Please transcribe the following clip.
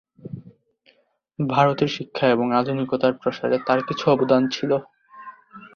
ভারতে শিক্ষা এবং আধুনিকতার প্রসারে তার কিছু অবদান ছিল।